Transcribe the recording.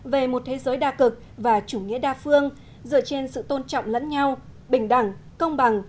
về một thế giới đa cực và chủ nghĩa đa phương dựa trên sự tôn trọng lẫn nhau bình đẳng công bằng